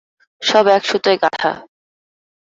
সব এক সুতোয় গাঁথা।